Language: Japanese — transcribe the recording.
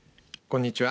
こんにちは。